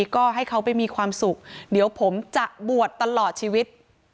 ก็ให้เขาไปมีความสุขเดี๋ยวผมจะบวชตลอดชีวิต